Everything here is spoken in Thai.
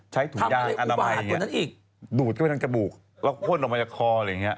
ใช้ถุงยากอันดับใหม่อย่างนี้ดูดเข้าไปทางกระบูกแล้วพ่นออกมาจากคออะไรอย่างนี้